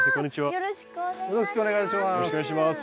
よろしくお願いします。